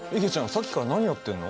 さっきから何やってんの？